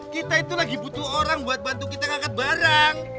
kita itu lagi butuh orang buat bantu kita ngangkat barang